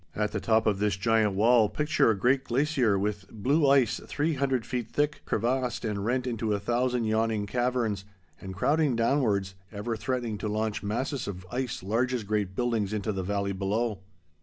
At the top of this giant wall, picture a great glacier with blue ice three hundred feet thick, crevassed and rent into a thousand yawning caverns, and crowding downwards, ever threatening to launch masses of ice large as great buildings into the valley below.